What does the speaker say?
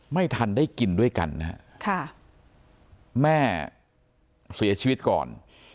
ไม่ทันได้กินด้วยกันนะฮะค่ะแม่เสียชีวิตก่อน